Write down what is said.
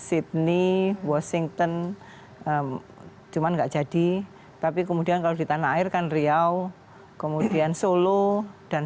sydney washington cuman enggak jadi tapi kemudian kalau di tanah air kan riau kemudian solo dan